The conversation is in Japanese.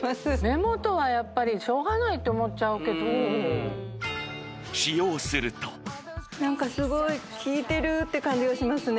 目元はやっぱりしょうがないって思っちゃうけど使用すると何かすごい効いてるって感じがしますね